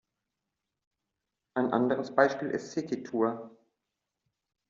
Ein anderes Beispiel ist Sequitur.